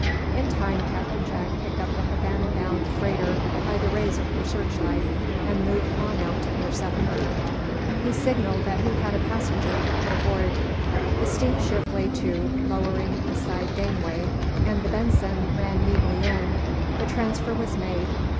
In time Captain Jack picked up the Havana bound freighter by the rays of her searchlight, and moved on out to intercept her. He signaled that he had a passenger to put aboard. The steamship lay to, lowering a side gangway, and the "Benson" ran neatly in. The transfer was made.